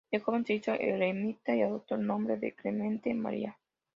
De joven se hizo eremita y adoptó el nombre de Clemente María.